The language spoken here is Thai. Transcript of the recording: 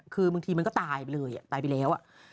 คือบางทีมันก็ตายไปเลยตายไปแล้ว